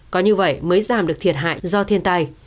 có như vậy mới giảm được thiệt hại do thiên tai